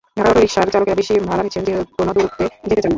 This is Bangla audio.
ঢাকায় অটোরিকশার চালকেরা বেশি ভাড়া নিচ্ছেন, যেকোনো দূরত্বে যেতে চান না।